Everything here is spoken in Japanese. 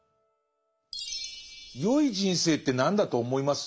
「よい人生って何だと思います？」